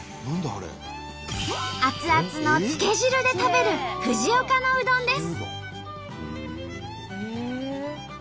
熱々のつけ汁で食べる藤岡のうどんです。